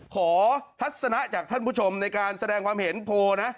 ทัศนะจากท่านผู้ชมในการแสดงความเห็นโพลนะ